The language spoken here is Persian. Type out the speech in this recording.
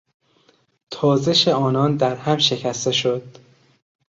تازش آنان در هم شکسته شد.